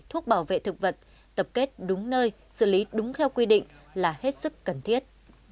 thuốc bảo vệ thực vật tập kết đúng nơi xử lý đúng theo quy định là hết sức cần thiết